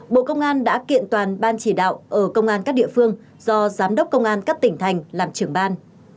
bộ công an đã kiện toàn ban chỉ đạo ở công an các địa phương do giám đốc công an các tỉnh thành làm trưởng ban